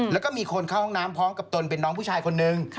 แล้วก็มีคนเข้าห้องน้ำพร้อมกับตนเป็นน้องผู้ชายคนนึง